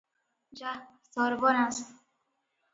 ଯାଃ ସର୍ବନାଶ ।